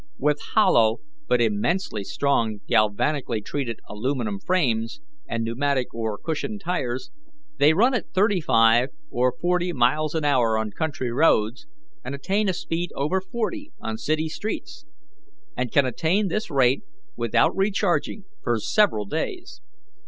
With hollow but immensely strong galvanically treated aluminum frames and pneumatic or cushion tires, they run at thirty five and forty miles an hour on country roads, and attain a speed over forty on city streets, and can maintain this rate without recharging for several days.